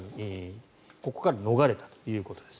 ここから逃れたということです。